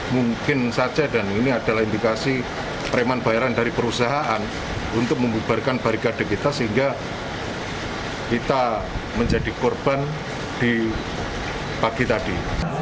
mungkin saja dan ini adalah indikasi preman bayaran dari perusahaan untuk membubarkan barikade kita sehingga kita menjadi korban di pagi tadi